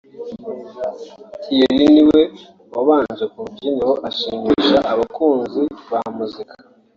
Thieerry niwe wabanje ku rubyiniro ashimisha abakunzi ba muzika